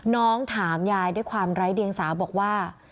ถามยายด้วยความไร้เดียงสาบอกว่า